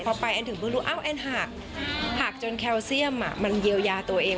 พอไปแอนถึงเพิ่งรู้อ้าวแอนหักหักจนแคลเซียมมันเยียวยาตัวเอง